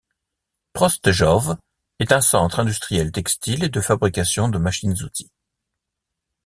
Prostějov est un centre industriel textile et de fabrication de machines-outils.